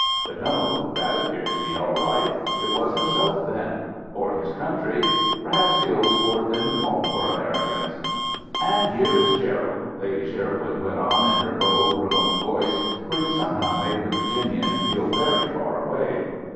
But no, that appeared to be all right. It was himself, then or his country; perhaps the old sport didn't fall for Americans. "And here is Gerald," Lady Sherwood went on in her low remote voice, which somehow made the Virginian feel very far away.